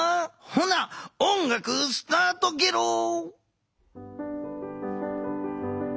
ほな音楽スタートゲロー。